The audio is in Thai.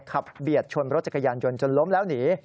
เบียดชนรถจักรยานยนต์จนล้มแล้วหนี